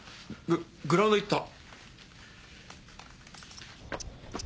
ググラウンド行った。